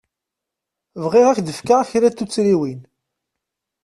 Bɣiɣ ad k-d-fkeɣ kra n tuttriwin.